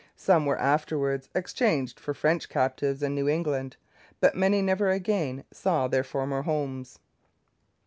Some were afterwards exchanged for French captives in New England, but many never again saw their former homes.